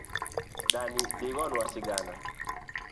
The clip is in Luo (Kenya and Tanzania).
Dani dhi gonwa sigana